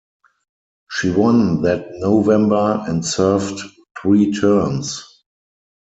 She won that November and served three terms.